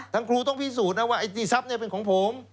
ครูต้องพิสูจน์นะว่าไอ้ที่ทรัพย์เนี่ยเป็นของผม